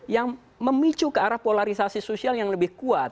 yang memicu ke arah polarisasi sosial yang lebih kuat